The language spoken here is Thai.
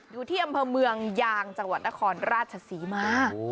อยู่ที่อำเภอเมืองยางจังหวัดนครราชศรีมา